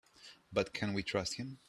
But can we trust him?